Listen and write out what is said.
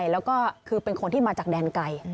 แล้วก็คือเป็นคนที่มาจากแดนไกล